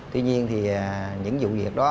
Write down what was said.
tuy nhiên thì những vụ việc đó